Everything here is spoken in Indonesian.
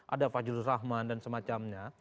ada fajrul rahman dan semacamnya